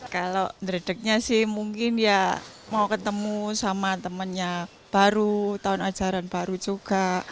kalau dredegnya sih mungkin ya mau ketemu sama temennya baru tahun ajaran baru juga